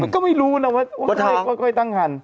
ก็ไม่รู้นะว่าค่อยตั้งคัน